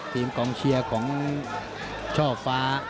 กองเชียร์ของช่อฟ้า